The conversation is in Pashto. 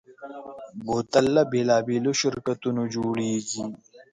بوتل له بېلابېلو شرکتونو جوړېږي.